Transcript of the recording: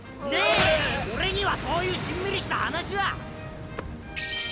オレにそういうしんみりした話は！あ？